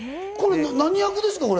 何役ですか？